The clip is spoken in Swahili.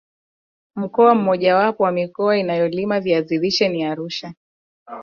mkoa mmoja wapo wa mikoa inayolima viazi lishe ni Arusha